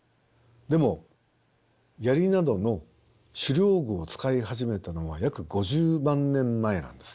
でも槍などの狩猟具を使い始めたのは約５０万年前なんですね。